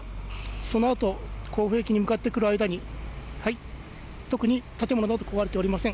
そのあと甲府駅に向かってくる間に、特に建物など壊れておりません。